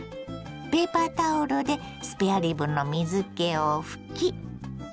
ペーパータオルでスペアリブの水けを拭き。